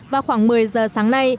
vào khoảng một mươi giờ sáng nay